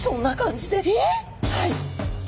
はい。